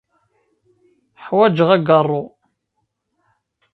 Ḥwaǧeɣ agaṛṛu.